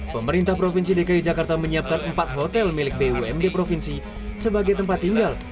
pemerintah provinsi dki jakarta menyiapkan empat hotel milik bumd provinsi sebagai tempat tinggal